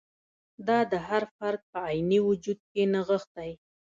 دا د هر فرد په عیني وجود کې نغښتی.